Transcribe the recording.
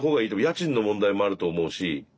家賃の問題もあると思うし。